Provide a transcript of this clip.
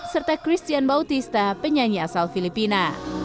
serta christian bautista penyanyi asal filipina